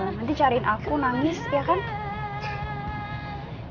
nanti cariin aku nangis ya kan